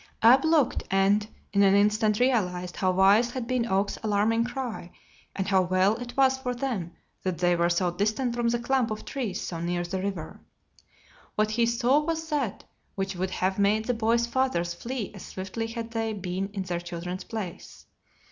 Ab looked and, in an instant, realized how wise had been Oak's alarming cry and how well it was for them that they were so distant from the clump of trees so near the river. What he saw was that which would have made the boys' fathers flee as swiftly had they been in their children's place.